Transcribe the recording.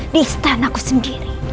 di istanaku sendiri